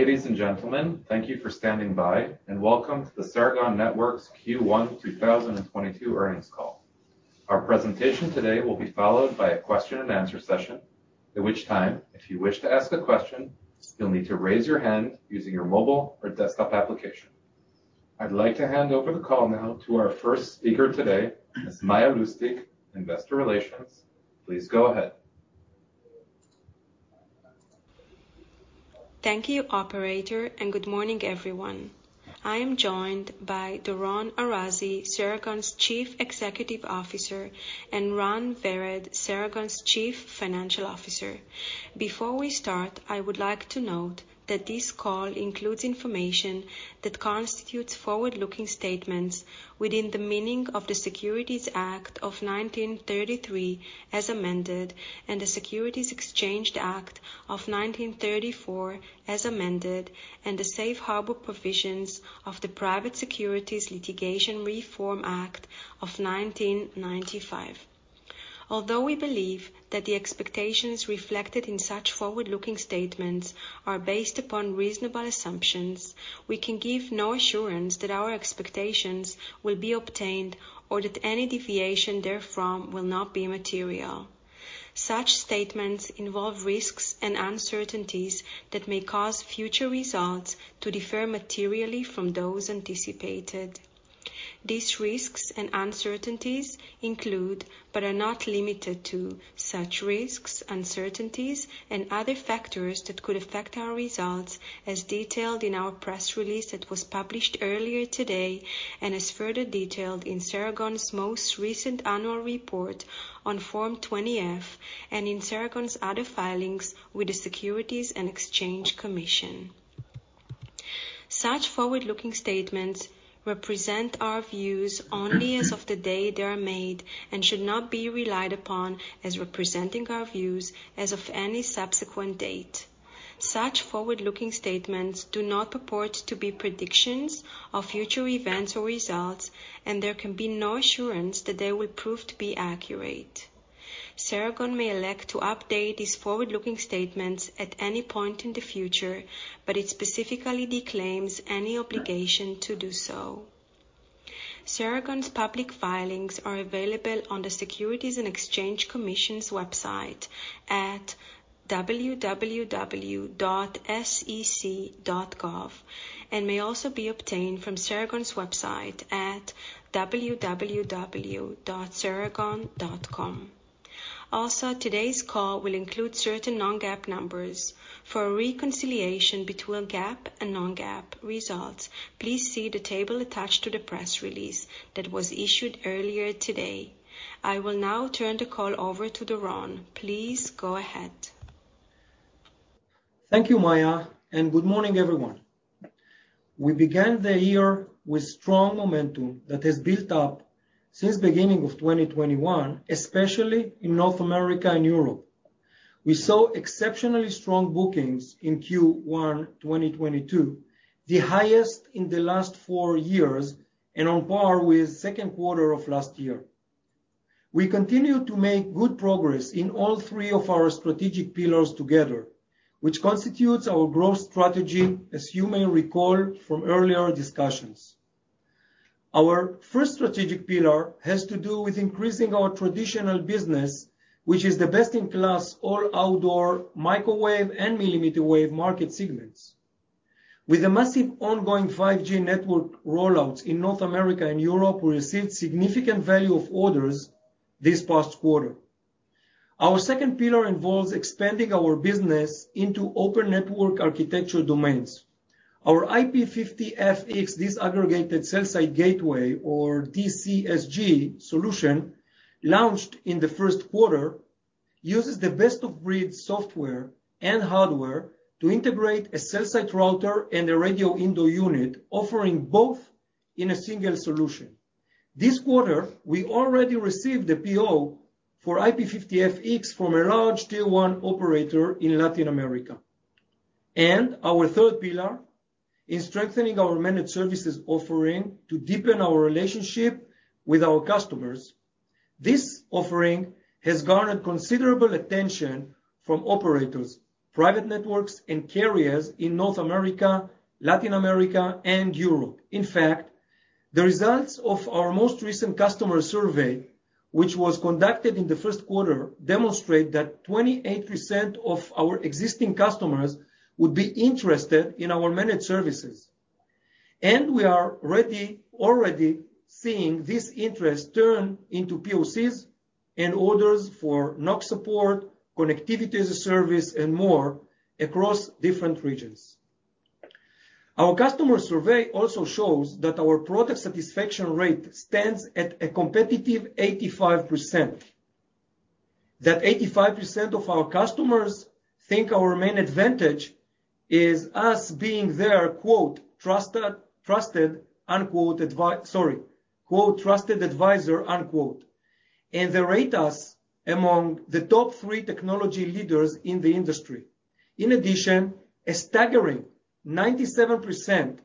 Ladies and gentlemen, thank you for standing by and welcome to the Ceragon Networks Q1 2022 earnings call. Our presentation today will be followed by a question and answer session, at which time, if you wish to ask a question, you'll need to raise your hand using your mobile or desktop application. I'd like to hand over the call now to our first speaker today, Ms. Maya Lustig, Investor Relations. Please go ahead. Thank you operator, and good morning everyone. I am joined by Doron Arazi, Ceragon's Chief Executive Officer, and Ran Vered, Ceragon's Chief Financial Officer. Before we start, I would like to note that this call includes information that constitutes forward-looking statements within the meaning of the Securities Act of 1933 as amended, and the Securities Exchange Act of 1934 as amended, and the safe harbor provisions of the Private Securities Litigation Reform Act of 1995. Although we believe that the expectations reflected in such forward-looking statements are based upon reasonable assumptions, we can give no assurance that our expectations will be obtained or that any deviation therefrom will not be material. Such statements involve risks and uncertainties that may cause future results to differ materially from those anticipated. These risks and uncertainties include, but are not limited to, such risks, uncertainties, and other factors that could affect our results as detailed in our press release that was published earlier today, and as further detailed in Ceragon's most recent annual report on Form 20-F and in Ceragon's other filings with the Securities and Exchange Commission. Such forward-looking statements represent our views only as of the day they are made and should not be relied upon as representing our views as of any subsequent date. Such forward-looking statements do not purport to be predictions of future events or results, and there can be no assurance that they will prove to be accurate. Ceragon may elect to update these forward-looking statements at any point in the future, but it specifically declaims any obligation to do so. Ceragon's public filings are available on the Securities and Exchange Commission's website at www.sec.gov, and may also be obtained from Ceragon's website at www.ceragon.com. Also, today's call will include certain non-GAAP numbers. For a reconciliation between GAAP and non-GAAP results, please see the table attached to the press release that was issued earlier today. I will now turn the call over to Doron. Please go ahead. Thank you, Maya, and good morning everyone. We began the year with strong momentum that has built up since beginning of 2021, especially in North America and Europe. We saw exceptionally strong bookings in Q1 2022, the highest in the last four years and on par with second quarter of last year. We continue to make good progress in all three of our strategic pillars together, which constitutes our growth strategy, as you may recall from earlier discussions. Our first strategic pillar has to do with increasing our traditional business which is the best-in-class all outdoor microwave and millimeter wave market segments. With the massive ongoing 5G network rollouts in North America and Europe, we received significant value of orders this past quarter. Our second pillar involves expanding our business into open network architecture domains. Our IP-50FX disaggregated cell site gateway or DCSG solution launched in the first quarter, uses the best of breed software and hardware to integrate a cell site router and a radio indoor unit offering both in a single solution. This quarter, we already received the PO for IP-50FX from a large tier one operator in Latin America. Our third pillar is strengthening our managed services offering to deepen our relationship with our customers. This offering has garnered considerable attention from operators, private networks and carriers in North America, Latin America, and Europe. In fact, the results of our most recent customer survey, which was conducted in the first quarter, demonstrate that 28% of our existing customers would be interested in our managed services. We are already seeing this interest turn into POCs and orders for NOC support, connectivity as a service, and more across different regions. Our customer survey also shows that our product satisfaction rate stands at a competitive 85%. That 85% of our customers think our main advantage is us being their "trusted advisor." They rate us among the top three technology leaders in the industry. In addition, a staggering 97%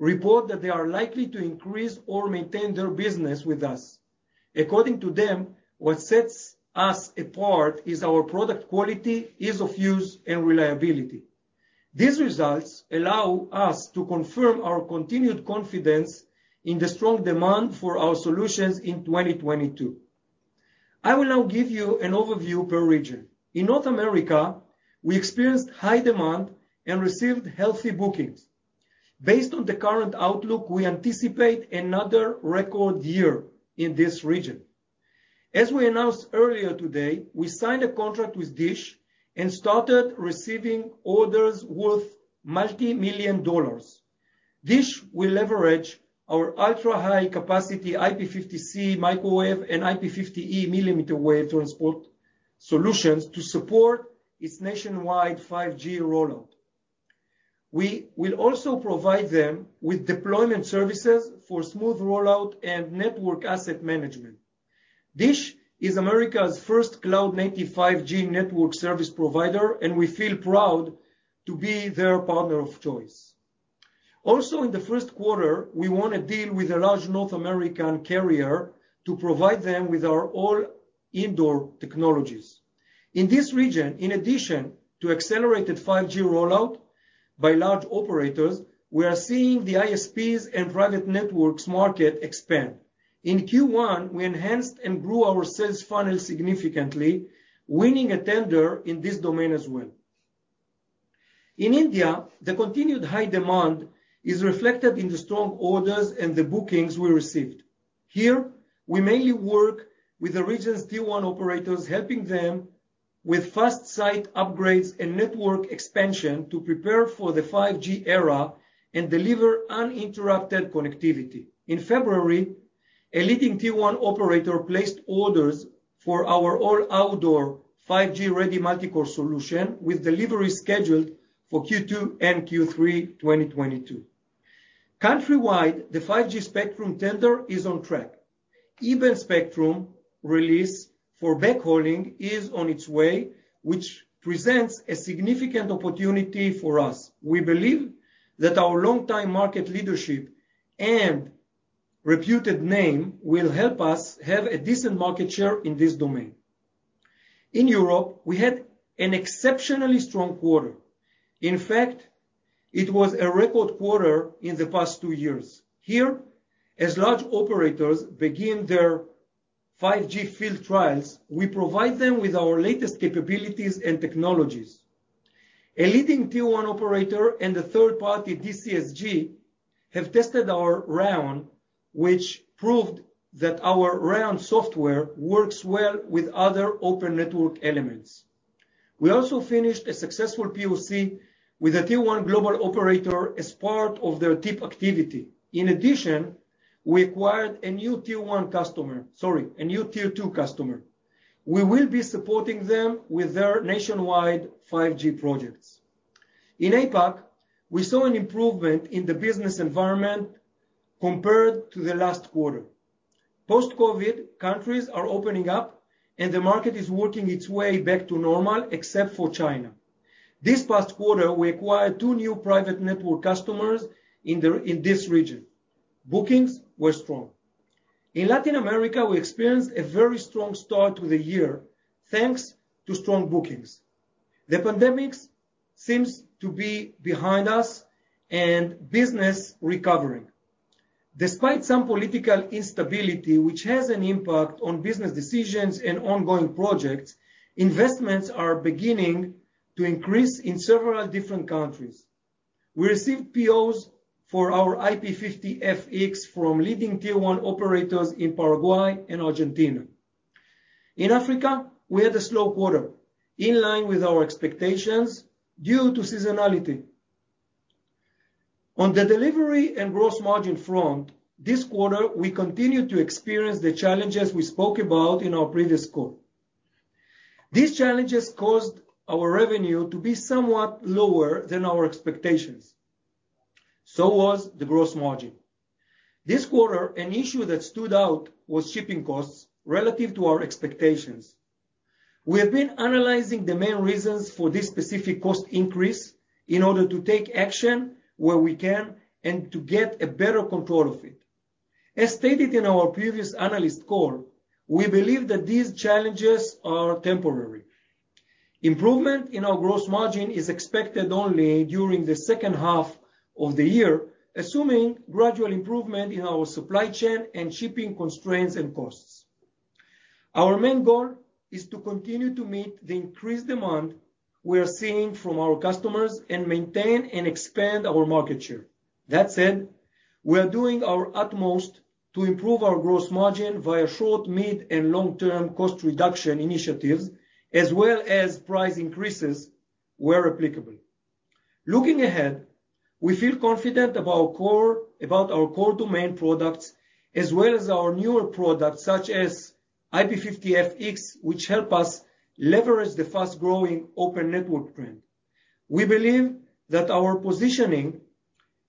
report that they are likely to increase or maintain their business with us. According to them, what sets us apart is our product quality, ease of use, and reliability. These results allow us to confirm our continued confidence in the strong demand for our solutions in 2022. I will now give you an overview per region. In North America, we experienced high demand and received healthy bookings. Based on the current outlook, we anticipate another record year in this region. As we announced earlier today, we signed a contract with DISH Wireless and started receiving orders worth multimillion dollar. DISH Wireless will leverage our ultra-high capacity IP-50C microwave and IP-50E millimeter wave transport solutions to support its nationwide 5G rollout. We will also provide them with deployment services for smooth rollout and network asset management. DISH Wireless is America's first cloud-native 5G network service provider, and we feel proud to be their partner of choice. Also, in the first quarter, we won a deal with a large North American carrier to provide them with our all indoor technologies. In this region, in addition to accelerated 5G rollout by large operators, we are seeing the ISPs and private networks market expand. In Q1, we enhanced and grew our sales funnel significantly, winning a tender in this domain as well. In India, the continued high demand is reflected in the strong orders and the bookings we received. Here, we mainly work with the region's tier one operators, helping them with fast site upgrades and network expansion to prepare for the 5G era and deliver uninterrupted connectivity. In February, a leading tier one operator placed orders for our all outdoor 5G ready multi-core solution with delivery scheduled for Q2 and Q3 2022. Countrywide, the 5G spectrum tender is on track. E-band spectrum release for backhauling is on its way, which presents a significant opportunity for us. We believe that our long-time market leadership and reputed name will help us have a decent market share in this domain. In Europe, we had an exceptionally strong quarter. In fact, it was a record quarter in the past two years. Here, as large operators begin their 5G field trials, we provide them with our latest capabilities and technologies. A leading tier one operator and a third party, DCSG, have tested our RAN, which proved that our RAN software works well with other open network elements. We also finished a successful PoC with a tier one global operator as part of their TIP activity. In addition, we acquired a new tier one customer. Sorry, a new Tier 2 customer. We will be supporting them with their nationwide 5G projects. In APAC, we saw an improvement in the business environment compared to the last quarter. Post-COVID, countries are opening up, and the market is working its way back to normal, except for China. This past quarter, we acquired two new private network customers in this region. Bookings were strong. In Latin America, we experienced a very strong start to the year, thanks to strong bookings. The pandemic seems to be behind us and business recovering. Despite some political instability, which has an impact on business decisions and ongoing projects, investments are beginning to increase in several different countries. We received POs for our IP-50FX from leading Tier 1 operators in Paraguay and Argentina. In Africa, we had a slow quarter in line with our expectations due to seasonality. On the delivery and gross margin front, this quarter, we continued to experience the challenges we spoke about in our previous call. These challenges caused our revenue to be somewhat lower than our expectations, so was the gross margin. This quarter, an issue that stood out was shipping costs relative to our expectations. We have been analyzing the main reasons for this specific cost increase in order to take action where we can and to get a better control of it. As stated in our previous analyst call, we believe that these challenges are temporary. Improvement in our gross margin is expected only during the second half of the year, assuming gradual improvement in our supply chain and shipping constraints and costs. Our main goal is to continue to meet the increased demand we are seeing from our customers and maintain and expand our market share. That said, we are doing our utmost to improve our gross margin via short, mid, and long-term cost reduction initiatives, as well as price increases where applicable. Looking ahead, we feel confident about our core domain products as well as our newer products such as IP-50FX, which help us leverage the fast-growing open network trend. We believe that our positioning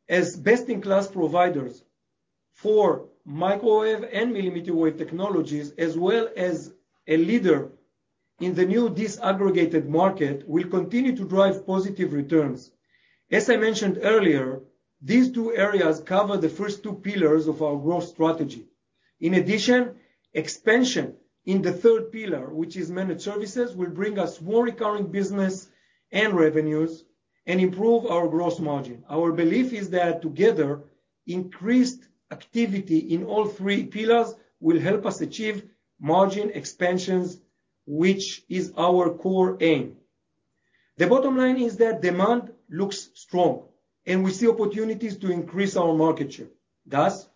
as best-in-class providers for microwave and millimeter wave technologies, as well as a leader in the new disaggregated market. We continue to drive positive returns. As I mentioned earlier, these two areas cover the first two pillars of our growth strategy. In addition, expansion in the third pillar, which is managed services, will bring us more recurring business and revenues and improve our gross margin. Our belief is that together, increased activity in all three pillars will help us achieve margin expansions, which is our core aim. The bottom line is that demand looks strong, and we see opportunities to increase our market share. Thus,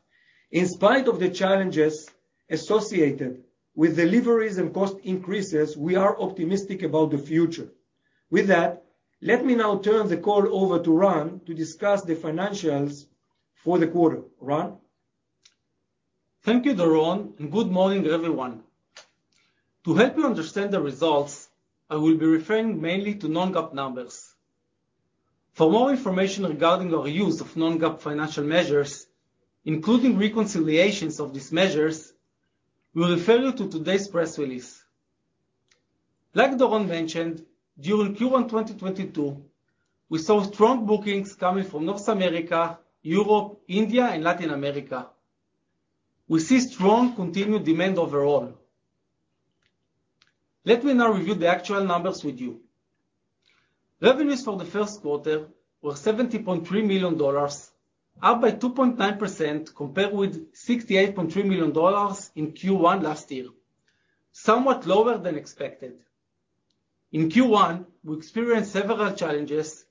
in spite of the challenges associated with deliveries and cost increases, we are optimistic about the future. With that, let me now turn the call over to Ran to discuss the financials for the quarter. Ran? Thank you, Doron, and good morning, everyone. To help you understand the results, I will be referring mainly to non-GAAP numbers. For more information regarding our use of non-GAAP financial measures, including reconciliations of these measures, we refer you to today's press release. Like Doron mentioned, during Q1 2022, we saw strong bookings coming from North America, Europe, India, and Latin America. We see strong continued demand overall. Let me now review the actual numbers with you. Revenues for the first quarter were $73 million, up by 2.9% compared with $68.3 million in Q1 last year, somewhat lower than expected. In Q1, we experienced several challenges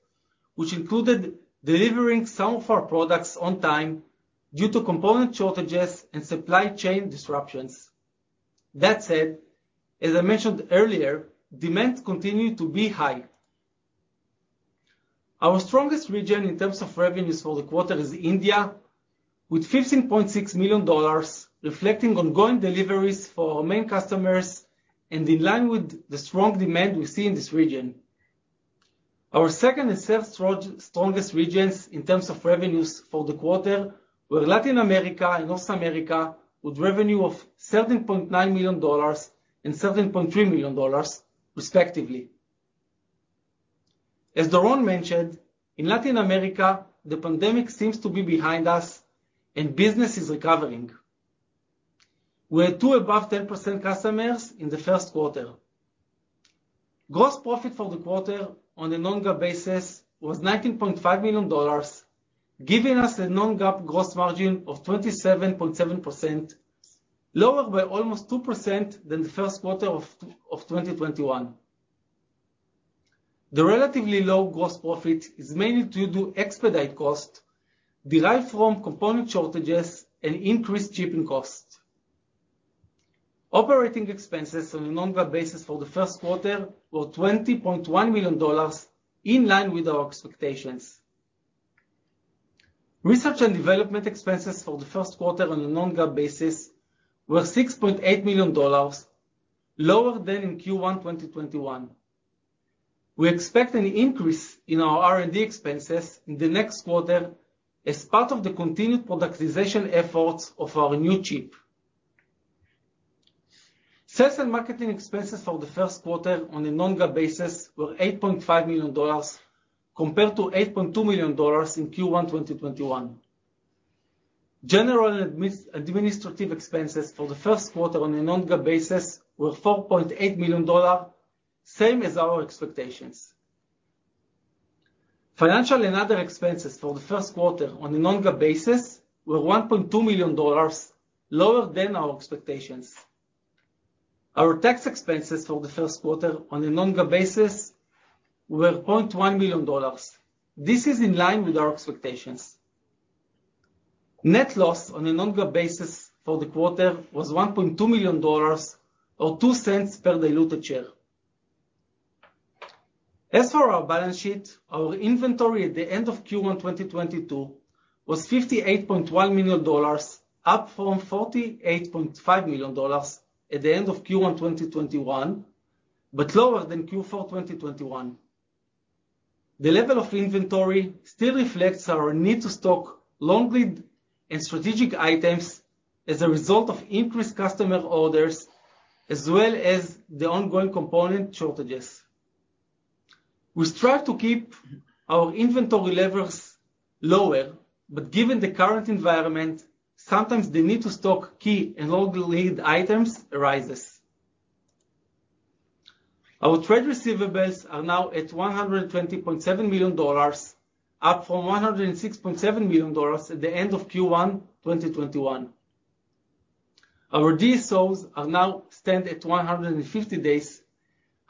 which included delivering some of our products on time due to component shortages and supply chain disruptions. That said, as I mentioned earlier, demand continued to be high. Our strongest region in terms of revenues for the quarter is India, with $15.6 million, reflecting ongoing deliveries for our main customers and in line with the strong demand we see in this region. Our second and third strongest regions in terms of revenues for the quarter were Latin America and North America, with revenue of $17.9 million and $17.3 million, respectively. As Doron mentioned, in Latin America, the pandemic seems to be behind us and business is recovering. We had two above 10% customers in the first quarter. Gross profit for the quarter on a non-GAAP basis was $19.5 million, giving us a non-GAAP gross margin of 27.7%, lower by almost 2% than the first quarter of 2021. The relatively low gross profit is mainly due to expedited costs derived from component shortages and increased shipping costs. Operating expenses on a non-GAAP basis for the first quarter were $20.1 million, in line with our expectations. Research and development expenses for the first quarter on a non-GAAP basis were $6.8 million, lower than in Q1 2021. We expect an increase in our R&D expenses in the next quarter as part of the continued productization efforts of our new chip. Sales and marketing expenses for the first quarter on a non-GAAP basis were $8.5 million compared to $8.2 million in Q1 2021. General and administrative expenses for the first quarter on a non-GAAP basis were $4.8 million, same as our expectations. Financial and other expenses for the first quarter on a non-GAAP basis were $1.2 million, lower than our expectations. Our tax expenses for the first quarter on a non-GAAP basis were $0.1 million. This is in line with our expectations. Net loss on a non-GAAP basis for the quarter was $1.2 million or $0.02 per diluted share. As for our balance sheet, our inventory at the end of Q1, 2022 was $58.1 million, up from $48.5 million at the end of Q1, 2021, but lower than Q4, 2021. The level of inventory still reflects our need to stock long lead and strategic items as a result of increased customer orders as well as the ongoing component shortages. We strive to keep our inventory levels lower, but given the current environment, sometimes the need to stock key and long lead items arises. Our trade receivables are now at $120.7 million, up from $106.7 million at the end of Q1 2021. Our DSOs now stand at 150 days,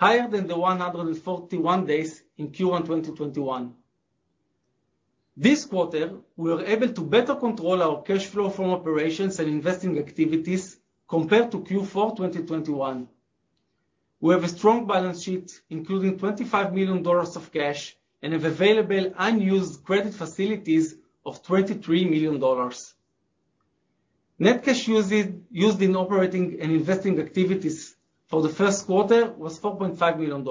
higher than the 141 days in Q1 2021. This quarter, we were able to better control our cash flow from operations and investing activities compared to Q4 2021. We have a strong balance sheet, including $25 million of cash and have available unused credit facilities of $23 million. Net cash used in operating and investing activities for the first quarter was $4.5 million.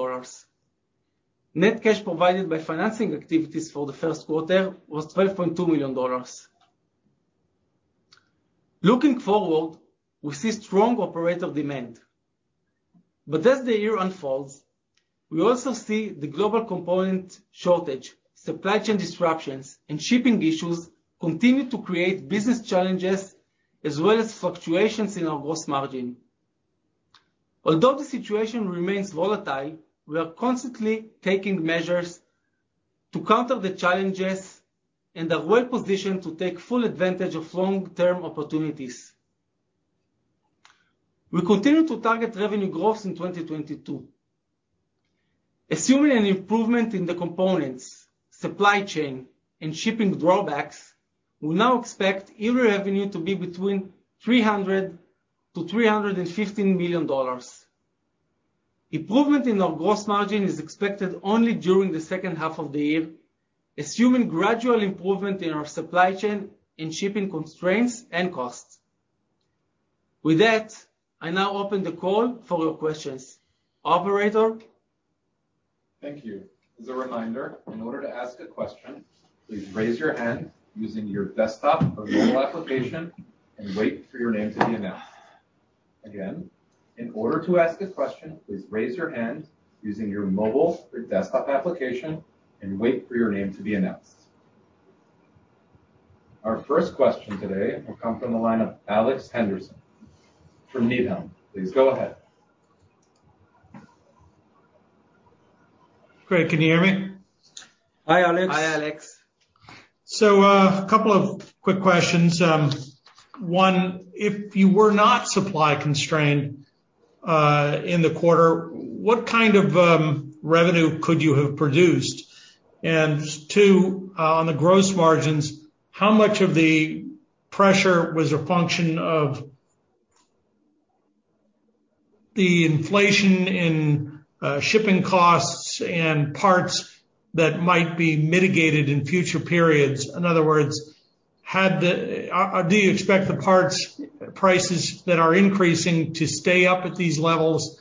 Net cash provided by financing activities for the first quarter was $12.2 million. Looking forward, we see strong operator demand. As the year unfolds, we also see the global component shortage, supply chain disruptions, and shipping issues continue to create business challenges as well as fluctuations in our gross margin. Although the situation remains volatile, we are constantly taking measures to counter the challenges and are well-positioned to take full advantage of long-term opportunities. We continue to target revenue growth in 2022. Assuming an improvement in the components, supply chain, and shipping drawbacks, we now expect yearly revenue to be between $300 million and $315 million. Improvement in our gross margin is expected only during the second half of the year, assuming gradual improvement in our supply chain and shipping constraints and costs. With that, I now open the call for your questions. Operator? Thank you. As a reminder, in order to ask a question, please raise your hand using your desktop or mobile application and wait for your name to be announced. Again, in order to ask a question, please raise your hand using your mobile or desktop application and wait for your name to be announced. Our first question today will come from the line of Alex Henderson from Needham. Please go ahead. Great. Can you hear me? Hi, Alex. Hi, Alex. Couple of quick questions. One, if you were not supply constrained in the quarter, what kind of revenue could you have produced? Two, on the gross margins, how much of the pressure was a function of the inflation in shipping costs and parts that might be mitigated in future periods? In other words, do you expect the parts prices that are increasing to stay up at these levels?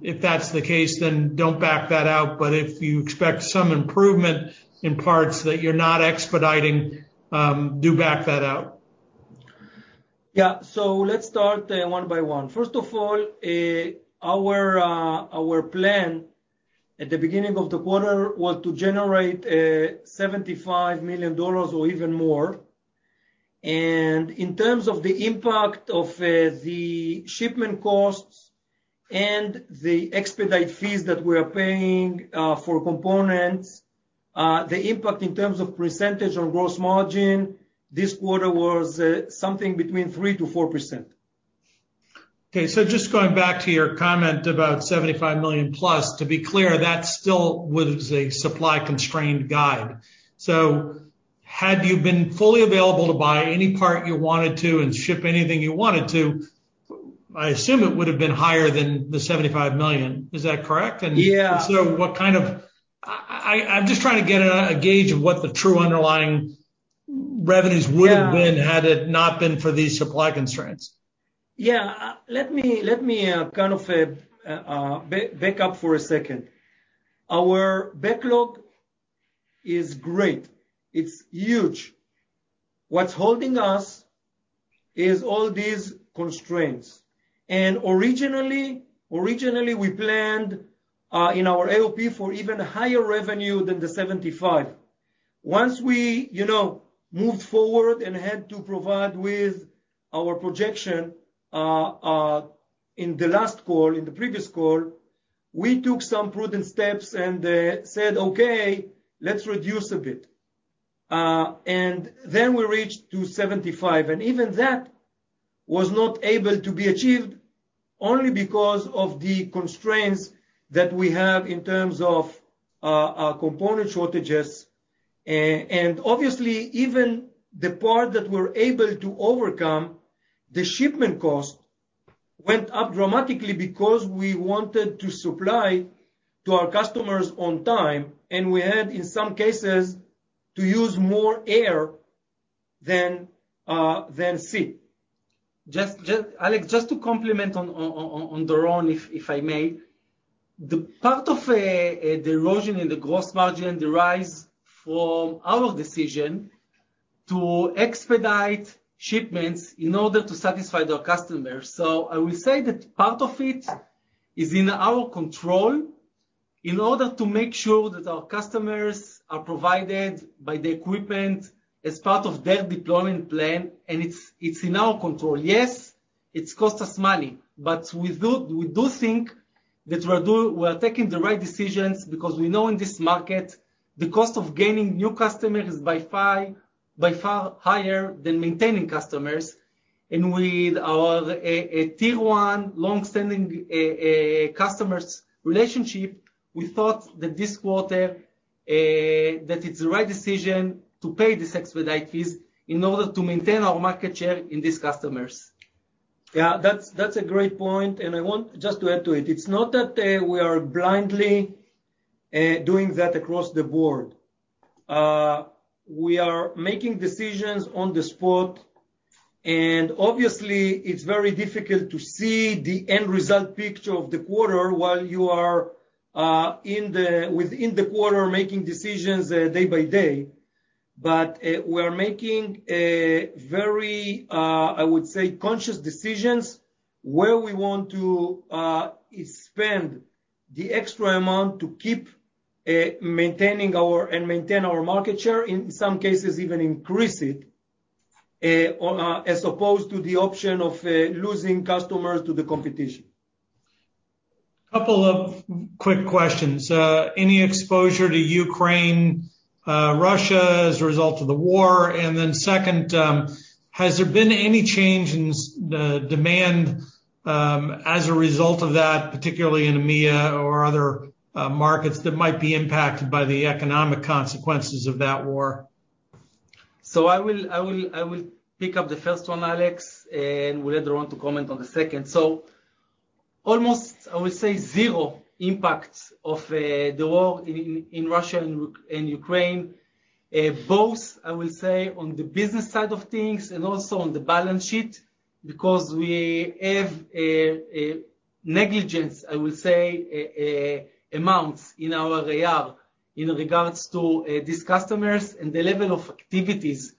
If that's the case, then don't back that out. But if you expect some improvement in parts that you're not expediting, do back that out. Yeah. Let's start one by one. First of all, our plan at the beginning of the quarter was to generate $75 million or even more. In terms of the impact of the shipment costs and the expedite fees that we are paying for components, the impact in terms of percentage on gross margin this quarter was something between 3%-4%. Okay. Just going back to your comment about $75 million plus, to be clear, that still was a supply-constrained guide. Had you been fully available to buy any part you wanted to and ship anything you wanted to, I assume it would have been higher than the $75 million. Is that correct? Yeah. I'm just trying to get a gauge of what the true underlying revenues would Yeah. have been had it not been for these supply constraints. Yeah. Let me kind of back up for a second. Our backlog is great. It's huge. What's holding us is all these constraints. Originally, we planned in our AOP for even higher revenue than the $75. Once we, you know, moved forward and had to provide with our projection in the previous call, we took some prudent steps and said, "Okay, let's reduce a bit." Then we reached to $75, and even that was not able to be achieved only because of the constraints that we have in terms of our component shortages. Obviously, even the part that we're able to overcome, the shipment cost went up dramatically because we wanted to supply to our customers on time, and we had, in some cases, to use more air than sea. Alex Henderson, just to comment on Doron Arazi, if I may. The part of the erosion in the gross margin derives from our decision to expedite shipments in order to satisfy the customers. I will say that part of it is in our control in order to make sure that our customers are provided with the equipment as part of their deployment plan, and it's in our control. Yes, it costs us money, but we think that we're taking the right decisions because we know in this market the cost of gaining new customers is by far higher than maintaining customers. With our tier one long-standing customers relationship, we thought that this quarter it's the right decision to pay these expedite fees in order to maintain our market share in these customers. Yeah. That's a great point. I want just to add to it. It's not that we are blindly doing that across the board. We are making decisions on the spot, and obviously it's very difficult to see the end result picture of the quarter while you are Within the quarter, making decisions day by day, but we're making a very, I would say conscious decisions where we want to spend the extra amount to keep and maintain our market share, in some cases even increase it, as opposed to the option of losing customers to the competition. Couple of quick questions. Any exposure to Ukraine, Russia as a result of the war? Second, has there been any change in the demand, as a result of that, particularly in EMEA or other markets that might be impacted by the economic consequences of that war? I will pick up the first one, Alex, and would either want to comment on the second. Almost, I will say zero impact of the war in Russia and Ukraine. Both, I will say on the business side of things and also on the balance sheet, because we have a negligible amount in our AR in regard to these customers and the level of activities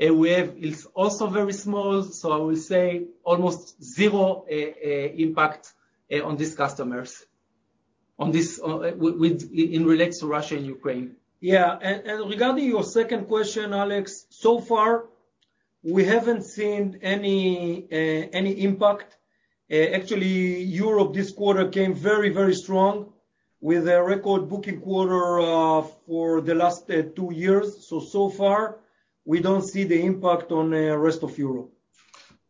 we have is also very small. I will say almost zero impact on these customers in relation to Russia and Ukraine. Regarding your second question, Alex, so far, we haven't seen any impact. Actually, Europe this quarter came very strong with a record booking quarter for the last two years. So far, we don't see the impact on rest of Europe.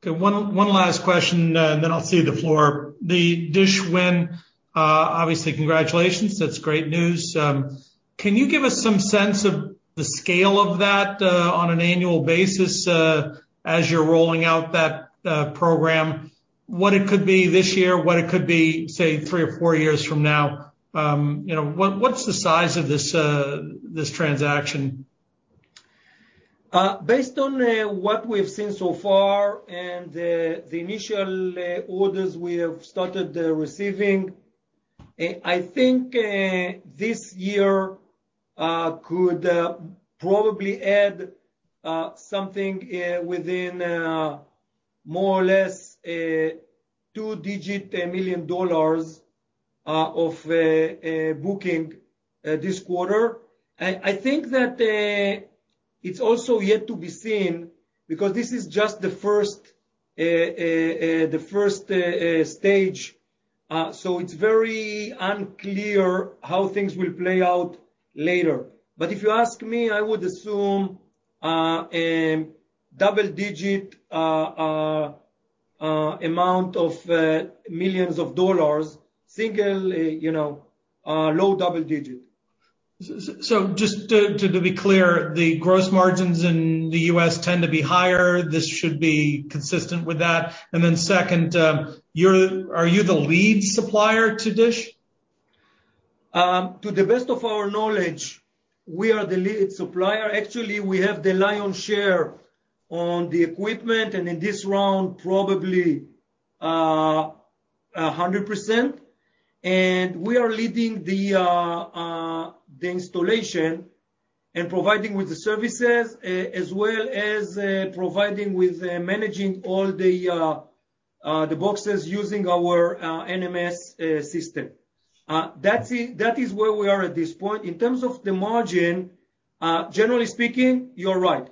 Okay. One last question, and then I'll cede the floor. The DISH win, obviously, congratulations. That's great news. Can you give us some sense of the scale of that, on an annual basis, as you're rolling out that program? What it could be this year, what it could be, say, three years or four years from now? You know, what's the size of this transaction? Based on what we've seen so far and the initial orders we have started receiving, I think this year could probably add something within more or less two-digit million dollars of bookings this quarter. I think that it's also yet to be seen because this is just the first stage. It's very unclear how things will play out later. If you ask me, I would assume double-digit amount of millions dollars, you know, low double-digit. Just to be clear, the gross margins in the U.S. tend to be higher. This should be consistent with that. Second, are you the lead supplier to DISH? To the best of our knowledge, we are the lead supplier. Actually, we have the lion's share on the equipment, and in this round, probably, 100%. We are leading the installation and providing with the services, as well as managing all the boxes using our NMS system. That is where we are at this point. In terms of the margin, generally speaking, you're right.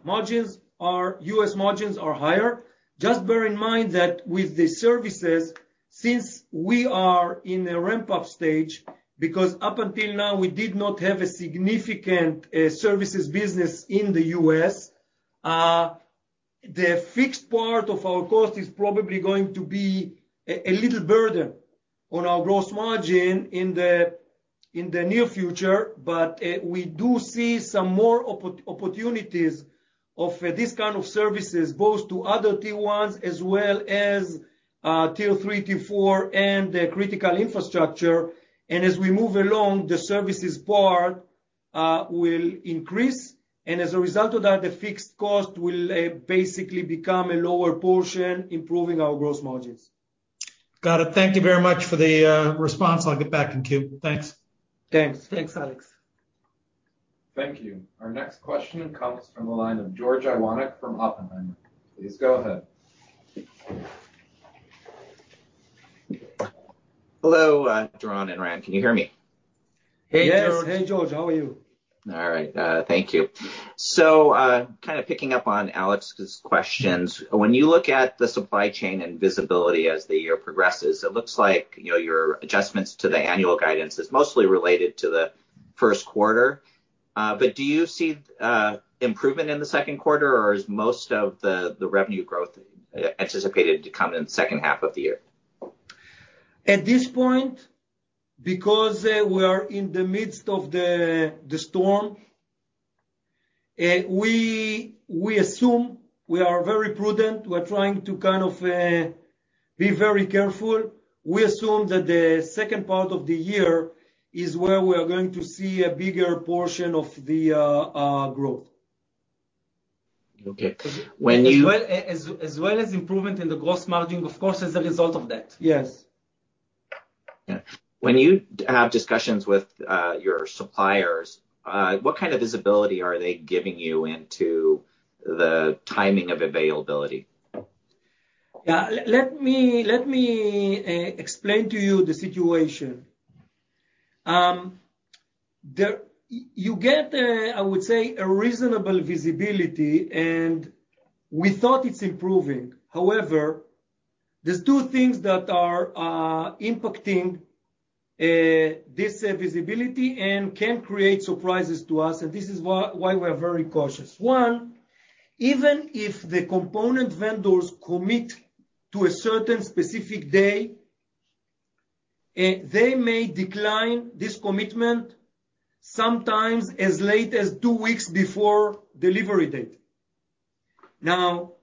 U.S. margins are higher. Just bear in mind that with the services, since we are in a ramp-up stage, because up until now, we did not have a significant services business in the U.S., the fixed part of our cost is probably going to be a little burden on our gross margin in the near future. We do see some more opportunities of this kind of services, both to other tier ones as well as tier three, tier four, and the critical infrastructure. As we move along, the services part will increase. As a result of that, the fixed cost will basically become a lower portion, improving our gross margins. Got it. Thank you very much for the response. I'll get back in queue. Thanks. Thanks. Thanks, Alex. Thank you. Our next question comes from the line of George Iwanyc from Oppenheimer. Please go ahead. Hello, Doron and Ran. Can you hear me? Hey, George. Yes. Hey, George. How are you? All right. Thank you. Kind of picking up on Alex's questions. When you look at the supply chain and visibility as the year progresses, it looks like, you know, your adjustments to the annual guidance is mostly related to the first quarter. Do you see improvement in the second quarter, or is most of the revenue growth anticipated to come in the second half of the year? At this point, because we are in the midst of the storm, we assume we are very prudent. We're trying to kind of be very careful. We assume that the second part of the year is where we are going to see a bigger portion of the growth. Okay. As well as improvement in the gross margin, of course, as a result of that. Yes. Yeah. When you have discussions with your suppliers, what kind of visibility are they giving you into the timing of availability? Yeah. Let me explain to you the situation. You get, I would say, a reasonable visibility, and we thought it's improving. However, there's two things that are impacting this visibility and can create surprises to us, and this is why we're very cautious. One, even if the component vendors commit to a certain specific day, they may decline this commitment sometimes as late as two weeks before delivery date. Now,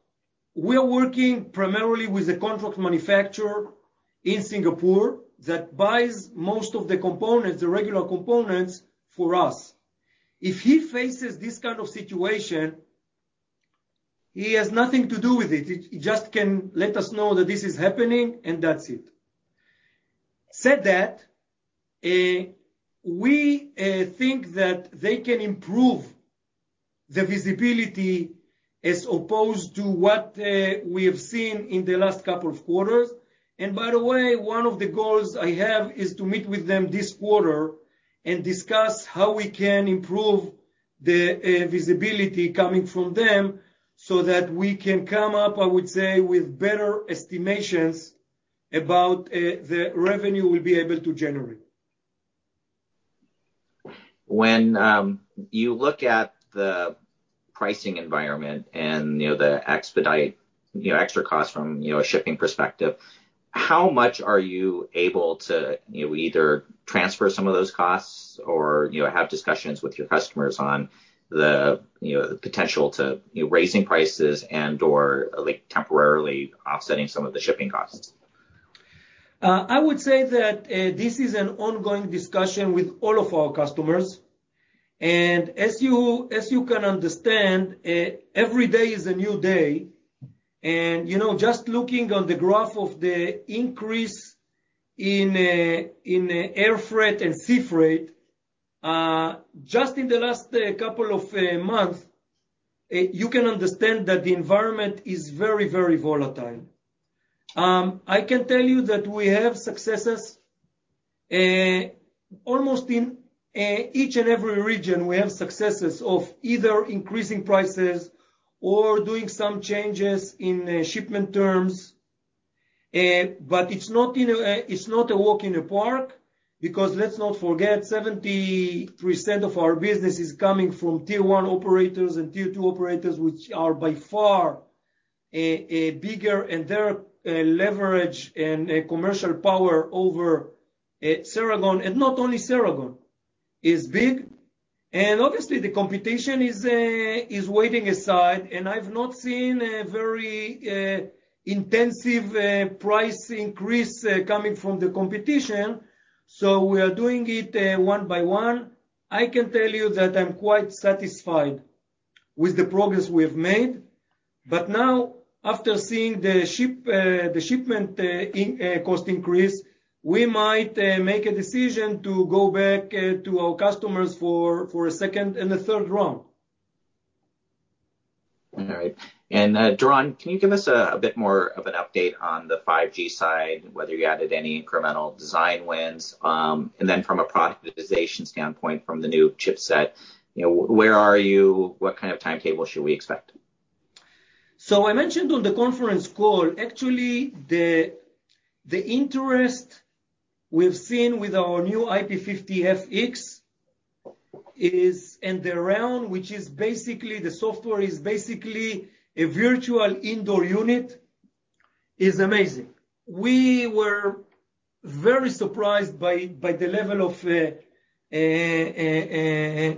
we are working primarily with a contract manufacturer in Singapore that buys most of the components, the regular components for us. If he faces this kind of situation, he has nothing to do with it. He just can let us know that this is happening, and that's it. We think that they can improve the visibility as opposed to what we have seen in the last couple of quarters. By the way, one of the goals I have is to meet with them this quarter and discuss how we can improve the visibility coming from them so that we can come up, I would say, with better estimations about the revenue we'll be able to generate. When you look at the pricing environment and, you know, the expedited, you know, extra costs from, you know, a shipping perspective, how much are you able to, you know, either transfer some of those costs or, you know, have discussions with your customers on the, you know, the potential to, you know, raising prices and/or, like, temporarily offsetting some of the shipping costs? I would say that this is an ongoing discussion with all of our customers. As you can understand, every day is a new day. You know, just looking on the graph of the increase in air freight and sea freight, just in the last couple of months, you can understand that the environment is very, very volatile. I can tell you that we have successes, almost in each and every region, we have successes of either increasing prices or doing some changes in shipment terms. It's not a walk in the park because let's not forget, 70% of our business is coming from tier one operators and tier two operators, which are by far a bigger and their leverage and commercial power over Ceragon, and not only Ceragon, is big. Obviously the competition is waiting aside, and I've not seen a very intensive price increase coming from the competition, so we are doing it one by one. I can tell you that I'm quite satisfied with the progress we have made. Now after seeing the shipment and cost increase, we might make a decision to go back to our customers for a second and a third round. All right. Doron, can you give us a bit more of an update on the 5G side, whether you added any incremental design wins? Then from a productization standpoint from the new chipset, you know, where are you? What kind of timetable should we expect? I mentioned on the conference call, actually the interest we've seen with our new IP-50FX and the RAN, which is basically the software, is basically a virtual indoor unit, is amazing. We were very surprised by the level of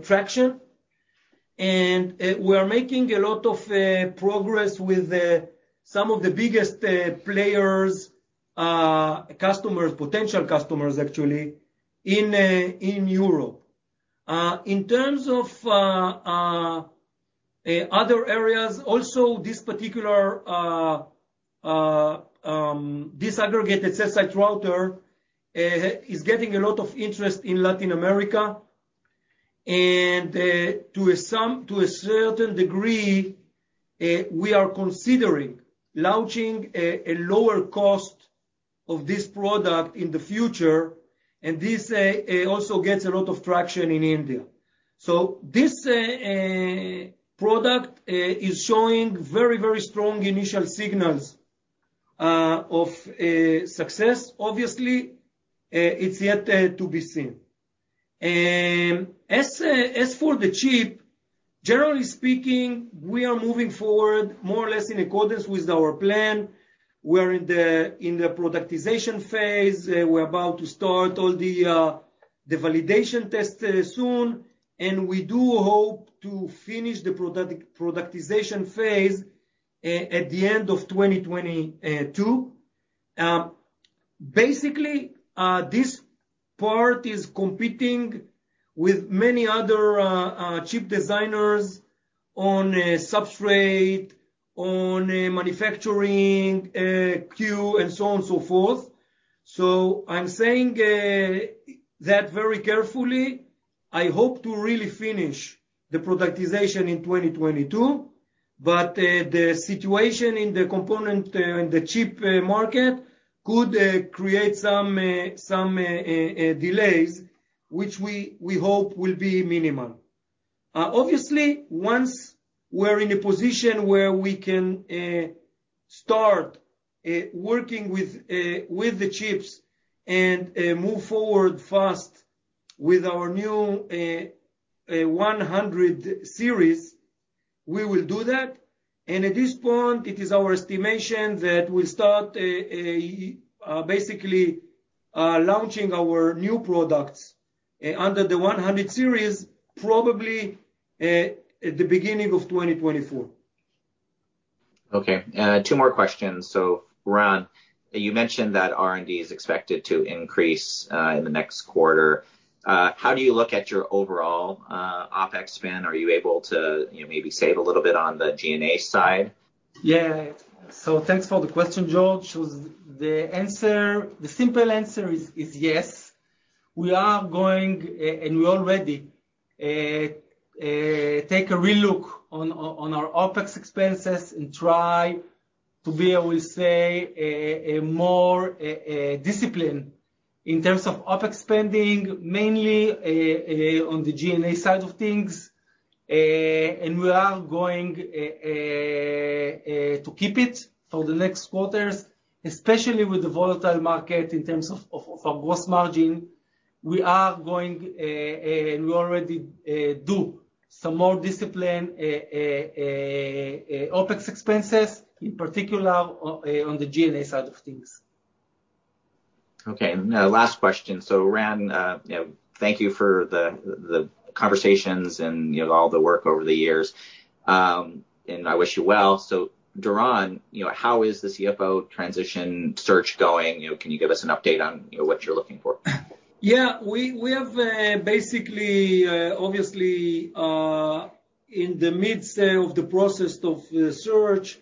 traction. We are making a lot of progress with some of the biggest players, customers, potential customers, actually, in Europe. In terms of other areas, also this particular disaggregated cell site router is getting a lot of interest in Latin America. To a certain degree, we are considering launching a lower cost of this product in the future, and this also gets a lot of traction in India. This product is showing very, very strong initial signals of success. Obviously, it's yet to be seen. As for the chip, generally speaking, we are moving forward more or less in accordance with our plan. We're in the productization phase. We're about to start all the validation test soon. We do hope to finish the productization phase at the end of 2022. Basically, this part is competing with many other chip designers on a substrate, on a manufacturing queue and so on and so forth. I'm saying that very carefully. I hope to really finish the productization in 2022, but the situation in the component in the chip market could create some delays, which we hope will be minimal. Obviously, once we're in a position where we can start working with the chips and move forward fast with our new 100 series, we will do that. At this point, it is our estimation that we'll start basically launching our new products under the 100 series probably at the beginning of 2024. Okay. Two more questions. Ran, you mentioned that R&D is expected to increase in the next quarter. How do you look at your overall OpEx spend? Are you able to, you know, maybe save a little bit on the G&A side? Yeah. Thanks for the question, George. The answer, the simple answer is yes. We are going and we already take a re-look on our OpEx expenses and try to be, I will say, a more disciplined in terms of OpEx spending, mainly on the G&A side of things. We are going to keep it for the next quarters, especially with the volatile market in terms of our gross margin. We are going and we already do some more discipline OpEx expenses, in particular, on the G&A side of things. Okay. Last question. Ran, you know, thank you for the conversations and, you know, all the work over the years. I wish you well. Doron, you know, how is the CFO transition search going? You know, can you give us an update on, you know, what you're looking for? Yeah. We have basically obviously in the midst of the process of the search.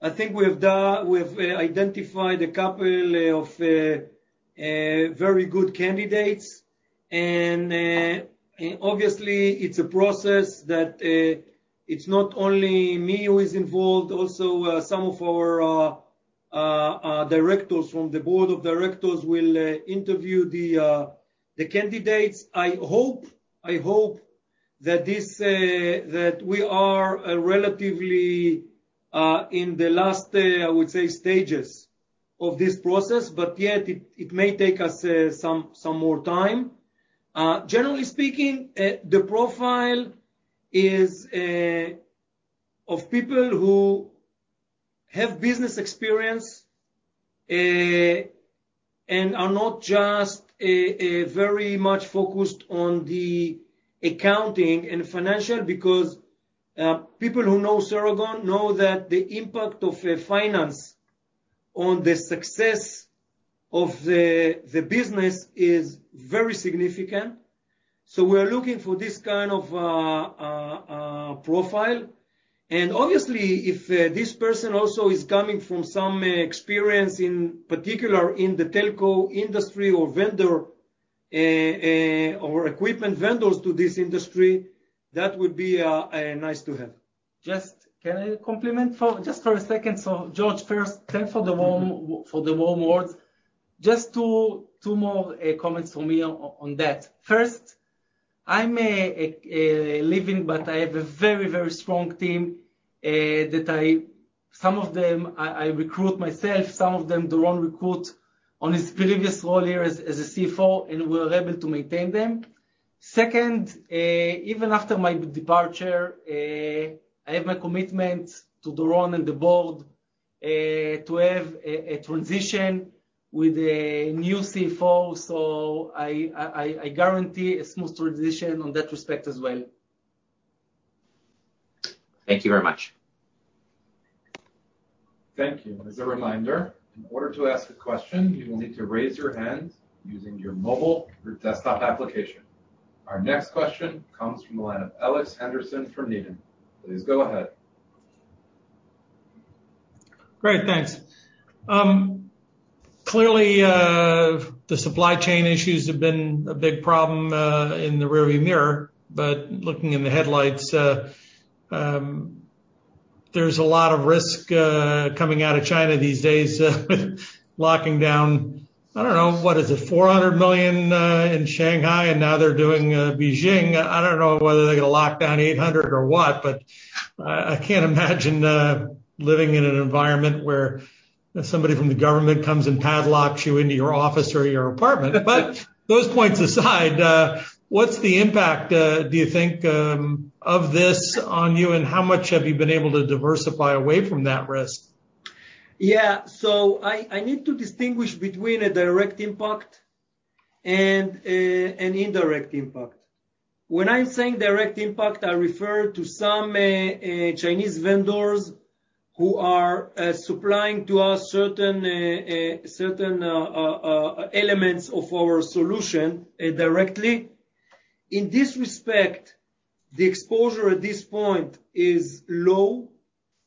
I think we have identified a couple of very good candidates. Obviously, it's a process that it's not only me who is involved, also some of our directors from the board of directors will interview the candidates. I hope that we are relatively in the last, I would say, stages of this process, but yet it may take us some more time. Generally speaking, the profile is of people who have business experience and are not just very much focused on the accounting and financial because people who know Ceragon know that the impact of finance on the success of the business is very significant. We're looking for this kind of profile. Obviously, if this person also is coming from some experience, in particular in the telco industry or vendor or equipment vendors to this industry, that would be nice to have. Can I comment just for a second? George, first, thanks for the warm words. Just two more comments from me on that. First, I may leave, but I have a very strong team. Some of them I recruit myself, some of them Doron recruit on his previous role here as a CFO, and we're able to maintain them. Second, even after my departure, I have my commitment to Doron and the board to have a transition with a new CFO. I guarantee a smooth transition on that respect as well. Thank you very much. Thank you. As a reminder, in order to ask a question, you will need to raise your hand using your mobile or desktop application. Our next question comes from the line of Alex Henderson from Needham. Please go ahead. Great, thanks. Clearly, the supply chain issues have been a big problem in the rearview mirror, but looking in the headlights, there's a lot of risk coming out of China these days, locking down, I don't know, what is it? $400 million in Shanghai, and now they're doing Beijing. I don't know whether they're gonna lock down $800 million or what, but I can't imagine living in an environment where somebody from the government comes and padlocks you into your office or your apartment. Those points aside, what's the impact, do you think, of this on you, and how much have you been able to diversify away from that risk? I need to distinguish between a direct impact and an indirect impact. When I'm saying direct impact, I refer to some Chinese vendors who are supplying to us certain elements of our solution directly. In this respect, the exposure at this point is low.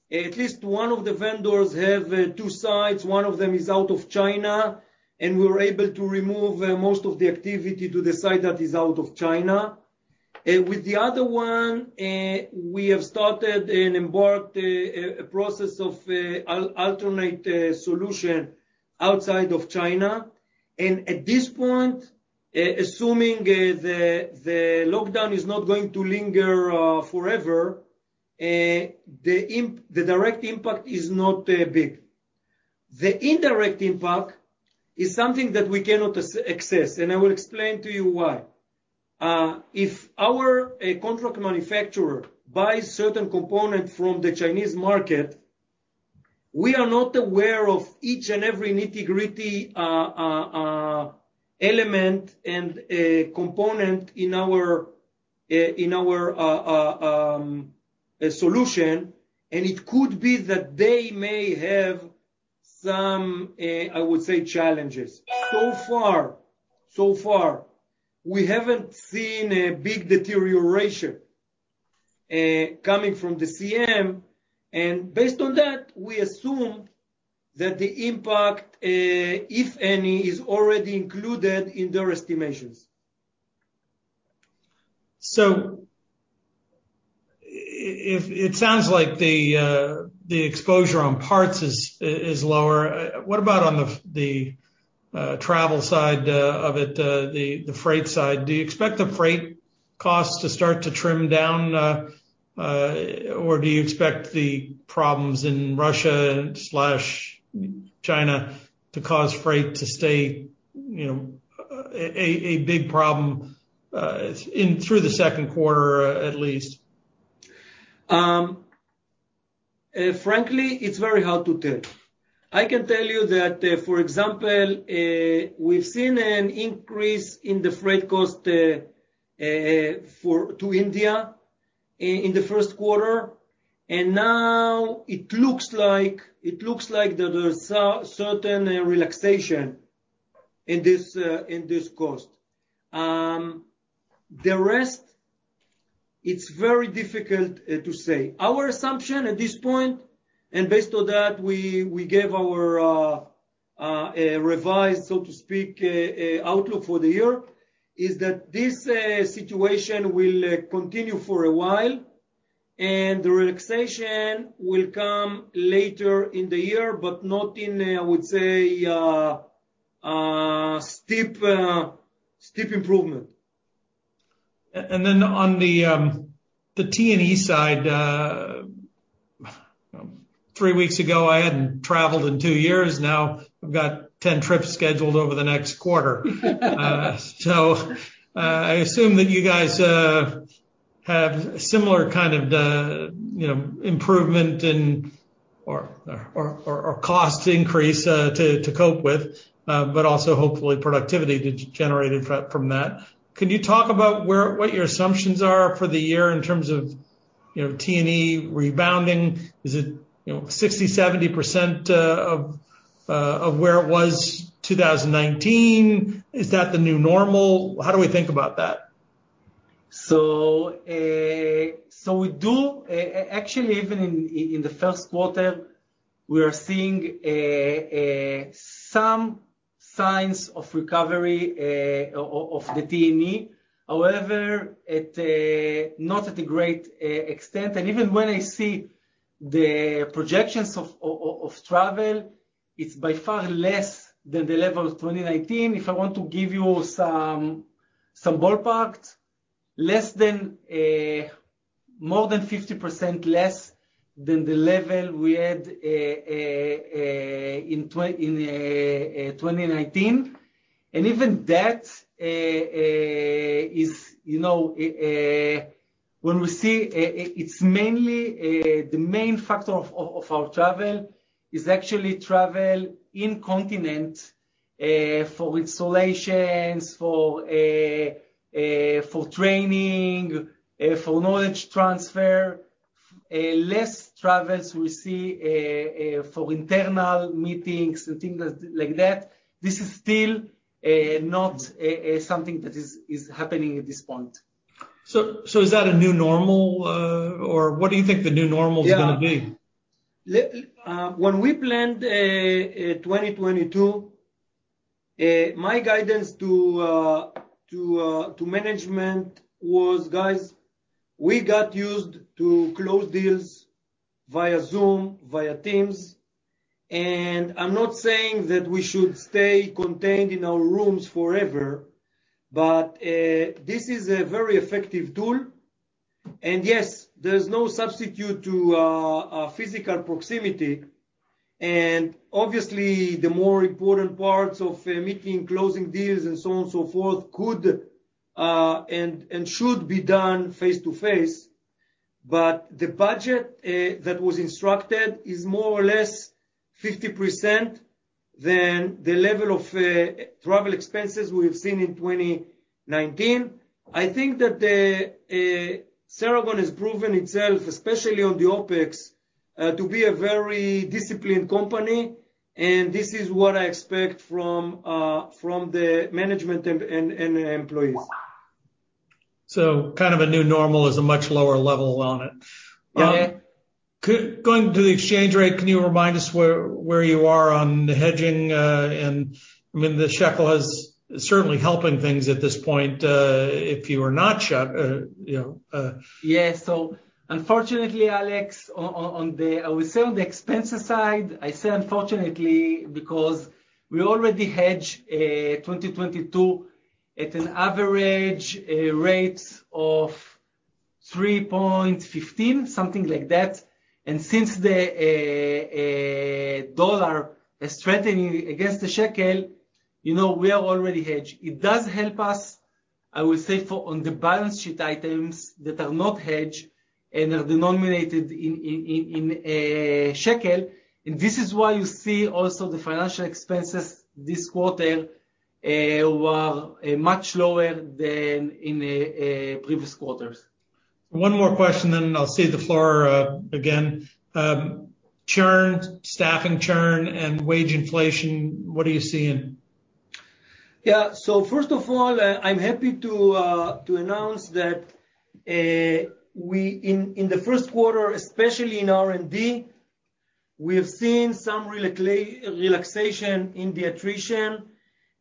At least one of the vendors have two sides, one of them is out of China, and we were able to remove most of the activity to the side that is out of China. With the other one, we have started and embarked a process of alternate solution outside of China. At this point, assuming the lockdown is not going to linger forever, the direct impact is not big. The indirect impact is something that we cannot assess, and I will explain to you why. If our contract manufacturer buys certain component from the Chinese market, we are not aware of each and every nitty-gritty element and component in our solution, and it could be that they may have some, I would say, challenges. So far, we haven't seen a big deterioration coming from the CM, and based on that, we assume that the impact, if any, is already included in their estimations. If it sounds like the exposure on parts is lower. What about on the travel side of it, the freight side? Do you expect the freight costs to start to trim down, or do you expect the problems in Russia slash China to cause freight to stay, you know, a big problem through the second quarter, at least? Frankly, it's very hard to tell. I can tell you that, for example, we've seen an increase in the freight cost to India in the first quarter, and now it looks like there are certain relaxation in this cost. The rest, it's very difficult to say. Our assumption at this point, and based on that, we gave our revised, so to speak, outlook for the year, is that this situation will continue for a while, and the relaxation will come later in the year, but not in, I would say, steep improvement. On the T&E side, three weeks ago, I hadn't traveled in two years, now I've got 10 trips scheduled over the next quarter. I assume that you guys have similar kind of, you know, improvement in or cost increase to cope with, but also, hopefully, productivity generated from that. Can you talk about what your assumptions are for the year in terms of, you know, T&E rebounding? Is it, you know, 60%-70% of where it was 2019? Is that the new normal? How do we think about that? Actually even in the first quarter, we are seeing some signs of recovery of the T&E. However, not at a great extent. Even when I see the projections of travel, it's by far less than the level of 2019. If I want to give you some ballpark, more than 50% less than the level we had in 2019. Even that is, you know, when we see, it's mainly the main factor of our travel is actually travel in continent for installations, for training, for knowledge transfer. Less travels we see for internal meetings and things like that. This is still not something that is happening at this point. Is that a new normal, or what do you think the new normal? Yeah. is gonna be? When we planned 2022, my guidance to management was, "Guys, we got used to close deals via Zoom, via Teams." I'm not saying that we should stay contained in our rooms forever, but this is a very effective tool. Yes, there's no substitute to physical proximity. Obviously, the more important parts of meeting, closing deals and so on and so forth, could and should be done face-to-face. The budget that was instructed is more or less 50% less than the level of travel expenses we have seen in 2019. I think that Ceragon has proven itself, especially on the OpEx, to be a very disciplined company, and this is what I expect from the management and the employees. Kind of a new normal is a much lower level on it. Yeah. Going to the exchange rate, can you remind us where you are on the hedging? I mean, the shekel is certainly helping things at this point. Yeah. Unfortunately, Alex, on the expense side, I say unfortunately, because we already hedged 2022 at an average rate of 3.15%, something like that. Since the US dollar is strengthening against the shekel, you know, we are already hedged. It does help us, I would say on the balance sheet items that are not hedged and are denominated in shekel. This is why you see also the financial expenses this quarter were much lower than in the previous quarters. One more question then I'll cede the floor, again. Churn, staffing churn, and wage inflation, what are you seeing? First of all, I'm happy to announce that in the first quarter, especially in R&D, we have seen some relaxation in the attrition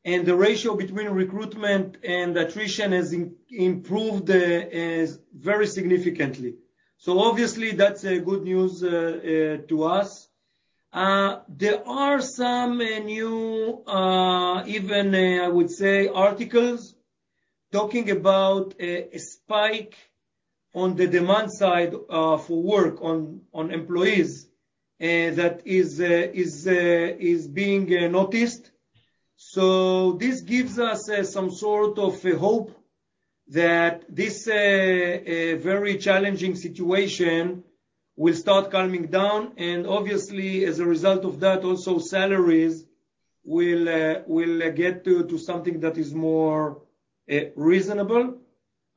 and the ratio between recruitment and attrition has improved very significantly. Obviously that's good news to us. There are some new, even I would say, articles talking about a spike in the demand side for workers that is being noticed. This gives us some sort of a hope that this very challenging situation will start calming down, and obviously as a result of that also salaries will get to something that is more reasonable.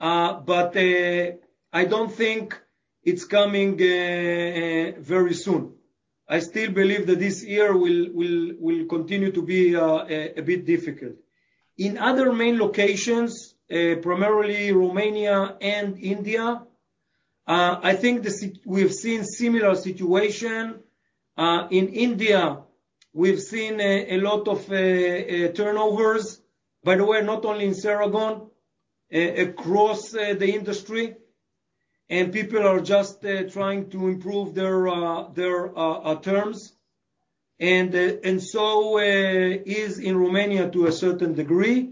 I don't think it's coming very soon. I still believe that this year will continue to be a bit difficult. In other main locations, primarily Romania and India, I think we have seen similar situation. In India, we've seen a lot of turnovers. By the way, not only in Ceragon, across the industry, and people are just trying to improve their terms. is in Romania to a certain degree.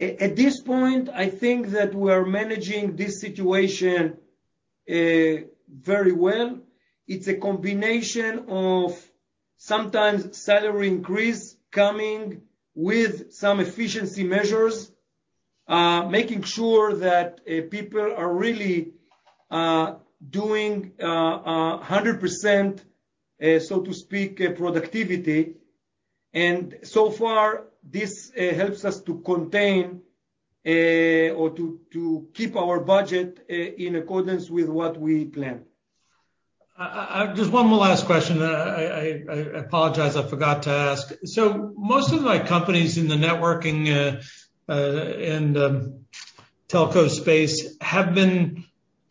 At this point, I think that we're managing this situation very well. It's a combination of sometimes salary increase coming with some efficiency measures, making sure that people are really doing 100%, so to speak, productivity. So far, this helps us to contain or to keep our budget in accordance with what we planned. Just one more last question. I apologize, I forgot to ask. Most of my companies in the networking and telco space have been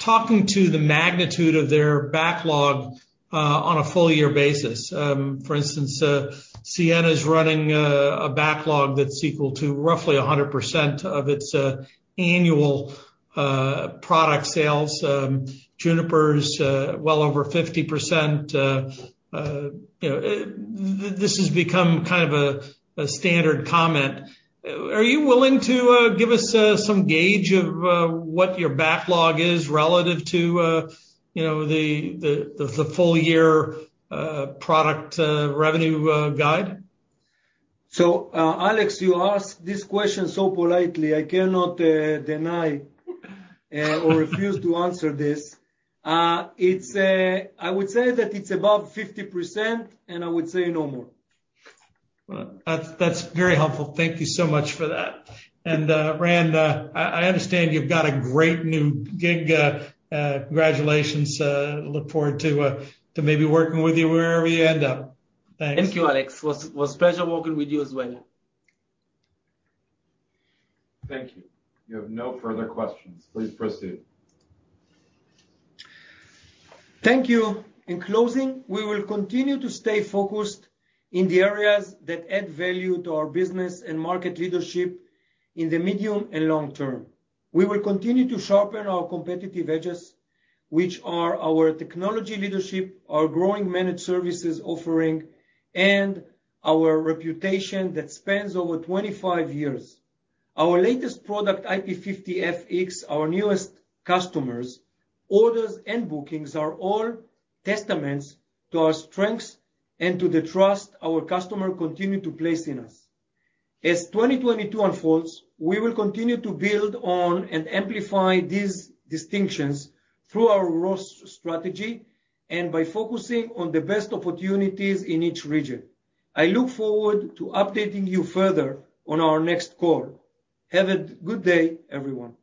talking about the magnitude of their backlog on a full year basis. For instance, Ciena is running a backlog that's equal to roughly 100% of its annual product sales. Juniper's well over 50%. You know, this has become kind of a standard comment. Are you willing to give us some gauge of what your backlog is relative to you know, the full year product revenue guide? Alex, you ask this question so politely, I cannot deny or refuse to answer this. I would say that it's above 50%, and I would say no more. Well, that's very helpful. Thank you so much for that. Ran, I understand you've got a great new gig. Congratulations. Look forward to maybe working with you wherever you end up. Thanks. Thank you, Alex. It was a pleasure working with you as well. Thank you. You have no further questions. Please proceed. Thank you. In closing, we will continue to stay focused in the areas that add value to our business and market leadership in the medium and long term. We will continue to sharpen our competitive edges, which are our technology leadership, our growing managed services offering, and our reputation that spans over 25 years. Our latest product, IP-50FX, our newest customers, orders, and bookings, are all testaments to our strengths and to the trust our customers continue to place in us. As 2022 unfolds, we will continue to build on and amplify these distinctions through our growth strategy and by focusing on the best opportunities in each region. I look forward to updating you further on our next call. Have a good day, everyone.